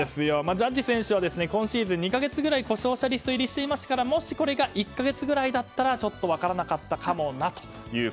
ジャッジ選手は今シーズン２か月くらい故障者リスト入りしていましたからもしこれが１か月ぐらいだったら分からなかったかもな